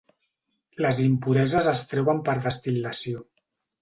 Les impureses es treuen per destil·lació.